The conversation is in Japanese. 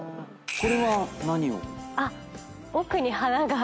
これは何を？